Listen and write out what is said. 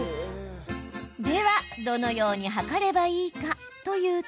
では、どのように量ればいいかというと。